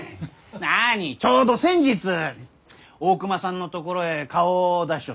なにちょうど先日大隈さんのところへ顔を出しちょってのう。